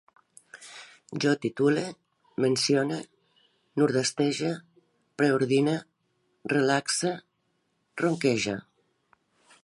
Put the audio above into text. Jo titule, mencione, nordestege, preordine, relaxe, ronquege